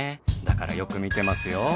だからよく見てますよ。